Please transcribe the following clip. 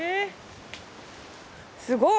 すごい！